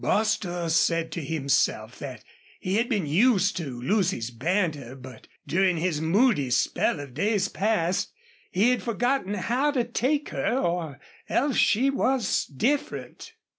Bostil said to himself that he had been used to Lucy's banter, but during his moody spell of days past he had forgotten how to take her or else she was different.